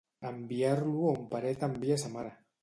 Enviar-lo on Peret envià sa mare.